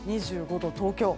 ２５度、東京。